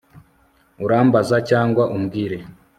Urambaza cyangwa umbwira